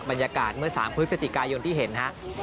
บรรยากาศเมื่อ๓พฤศจิกายนที่เห็นฮะ